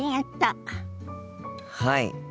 はい。